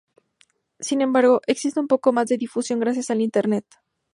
Sin embargo, existe un poco más de difusión gracias al Internet.